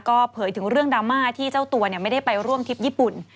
ก็เผยถึงเรื่องดราม่าที่เจ้าตัวไม่ได้ไปร่วมทริปญี่ปุ่น